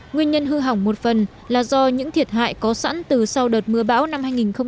nguyên nhân hư hỏng một phần là do những thiệt hại có sẵn từ sau đợt mưa bão năm hai nghìn một mươi tám